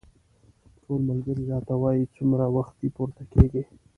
ټول ملګري راته وايي څومره وختي پورته کېږې.